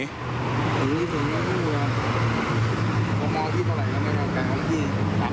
หนีไปถึงเมื่อมาที่ตาเหรอ